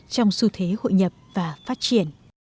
trong xu thế hội nhập và phát triển